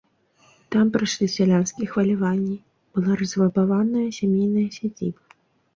Там прайшлі сялянскія хваляванні, была разрабаваная сямейная сядзіба.